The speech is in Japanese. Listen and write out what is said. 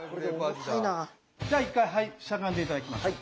じゃあ一回しゃがんで頂きましょう。